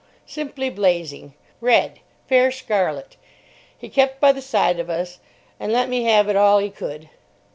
Simply blazing: red: fair scarlet. He kept by the side of us and let me have it all he could.